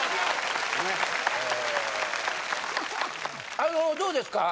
あのどうですか？